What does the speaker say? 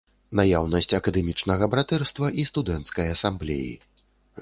Наяўнасць акадэмічнага братэрства і студэнцкай асамблеі.